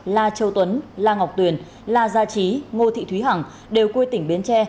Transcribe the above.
la châu tuấn la ngọc tuyền la gia trí ngô thị thúy hằng đều quê tỉnh bến tre